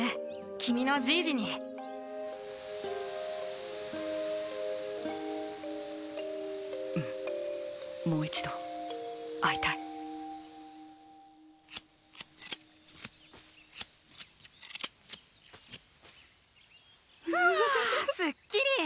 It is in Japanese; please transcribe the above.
君のじいじにうんもう一度会いたいふわスッキリ！